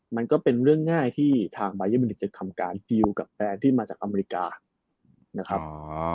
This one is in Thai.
มันก็เป็นเรื่องง่ายที่ทางบายันูนิกจะทำการดีลกับแบรนด์ที่มาจากอเมริกานะครับ